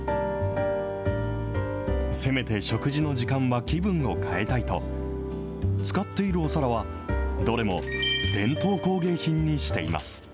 せめて食事の時間は気分を変えたいと、使っているお皿は、どれも伝統工芸品にしています。